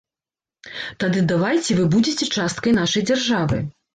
Тады давайце вы будзеце часткай нашай дзяржавы.